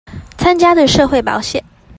參加的社會保險